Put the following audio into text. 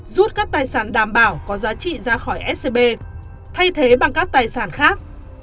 rút các tài sản đảm bảo có giá trị ra khỏi scb thay thế bằng các tài sản khác